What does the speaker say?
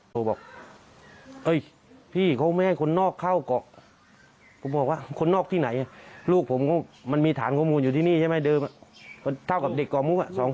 เท่ากับเด็กเกาะมุก๒คน